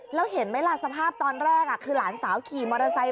แล้วเห็นไหมล่ะสภาพตอนแรกคือหลานสาวขี่มอเตอร์ไซค์